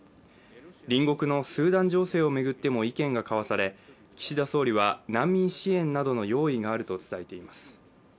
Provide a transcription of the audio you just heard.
隣国のスーダン情勢を巡っても意見が交わされ岸田総理は難民支援などの用意があると伝えています。